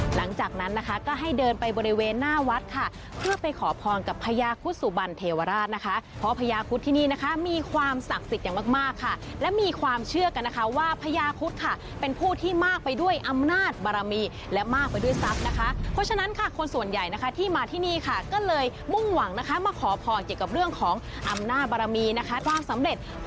หลังจากนั้นนะคะก็ให้เดินไปบริเวณหน้าวัดค่ะเพื่อไปขอพรกับพญาคุสุบันเทวราชนะคะเพราะพญาคุดที่นี่นะคะมีความศักดิ์สิทธิ์อย่างมากมากค่ะและมีความเชื่อกันนะคะว่าพญาคุดค่ะเป็นผู้ที่มากไปด้วยอำนาจบารมีและมากไปด้วยทรัพย์นะคะเพราะฉะนั้นค่ะคนส่วนใหญ่นะคะที่มาที่นี่ค่ะก็เลยมุ่งหวังนะคะมาขอพรเกี่ยวกับเรื่องของอำนาจบารมีนะคะจะสำเร็จ